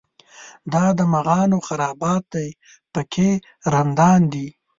دا د مغانو خرابات دی په کې رندان دي.